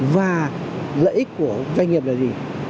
và lợi ích của doanh nghiệp là gì